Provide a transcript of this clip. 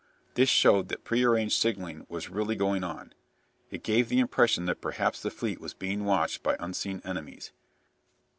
This showed that prearranged signalling was really going on. It gave the impression that perhaps the fleet was being watched by unseen enemies.